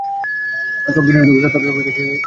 সব-কিছুরই সত্যস্বরূপ হইতেছে এই সীমাহীন অস্তিত্ব।